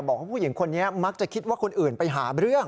บอกว่าผู้หญิงคนนี้มักจะคิดว่าคนอื่นไปหาเรื่อง